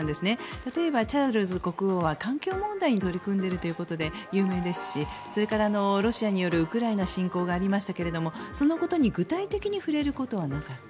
例えば、チャールズ国王は環境問題に取り組んでいることで有名ですしそれからロシアによるウクライナ侵攻がありましたがそのことに具体的に触れることはなかった。